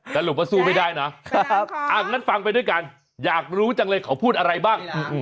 แต่ลูกสู้ไม่ได้นะครับอันนั้นฟังไปด้วยกันอยากรู้จังเลยขอพูดอะไรบ้าง